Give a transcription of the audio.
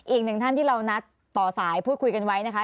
อีกหนึ่งท่านที่เรานัดต่อสายพูดคุยกันไว้นะคะ